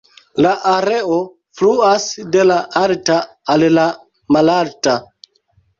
La aero fluas de la alta al la malalta.